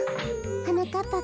はなかっぱくん